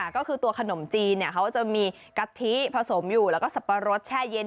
ก็คือตัวขนมจีนเขาจะมีกะทิผสมอยู่แล้วก็สับปะรดแช่เย็น